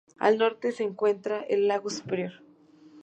Al norte se encuentra el lago Superior.